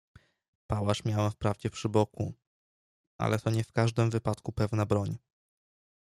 "Pałasz miałem wprawdzie przy boku, ale to nie w każdym wypadku pewna broń."